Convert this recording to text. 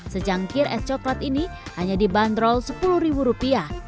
sejangkir es coklat ini hanya dibanderol sepuluh ribu rupiah